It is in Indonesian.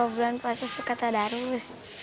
wah kelaburan puasa suka tadarus